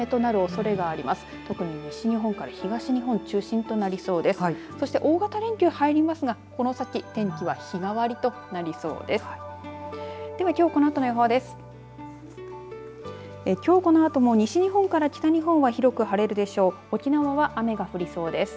そして大型連休入りますがこの先天気は日替わりとなりそうです。